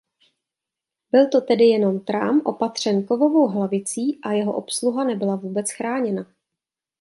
Byl to tedy jenom trám opatřen kovovou hlavicí a jeho obsluha nebyla vůbec chráněna.